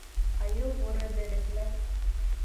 Айыу-бүре берекмәҫ.